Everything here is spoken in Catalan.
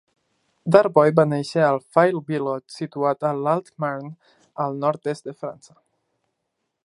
Darboy va néixer a Fayl-Billot, situat a l'Alt Marne, al nord-est de França.